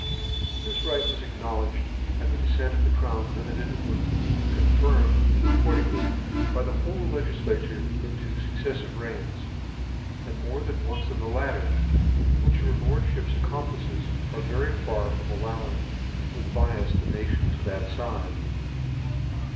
This right wns acknowledged, and the dcfcent of the crown limited or confirmed accord ingly, by the whole Icgiilatures in two fucceffive reigns, and more than once in the latter; which your lordfhips accomplices are very far from al lowing would bias the nation to that fide.